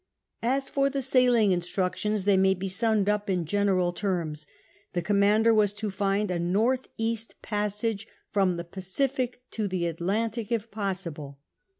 As for the sailing instnictions they may be summed up in general terms. The commander was to find a north east passage from the Pacific to the Atlantic if possible.